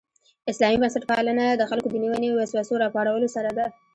اسلامي بنسټپالنه د خلکو دنیوي وسوسو راپارولو سره ده.